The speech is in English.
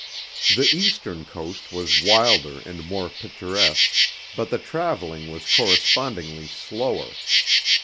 The Eastern coast was wilder and more picturesque, but the traveling was correspondingly slower.